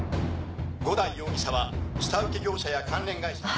「五大容疑者は下請け業者や関連会社に」